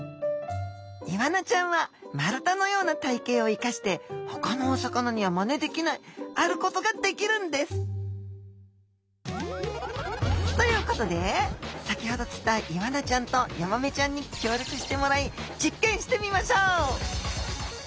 イワナちゃんは丸太のような体形を生かしてほかのお魚にはまねできないあることができるんですということで先ほど釣ったイワナちゃんとヤマメちゃんに協力してもらい実験してみましょう！